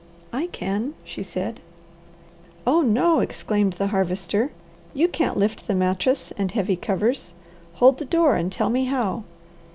"I can," she said. "Oh no!" exclaimed the Harvester. "You can't lift the mattress and heavy covers. Hold the door and tell me how."